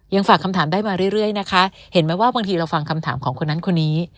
ฝากคำถามได้มาเรื่อยนะคะเห็นไหมว่าบางทีเราฟังคำถามของคนนั้นคนนี้